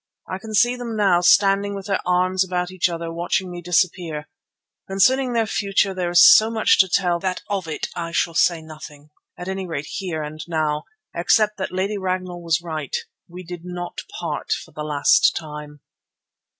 I can see them now standing with their arms about each other watching me disappear. Concerning their future there is so much to tell that of it I shall say nothing; at any rate here and now, except that Lady Ragnall was right. We did not part for the last time.